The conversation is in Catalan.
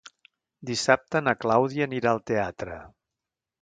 Dissabte na Clàudia anirà al teatre.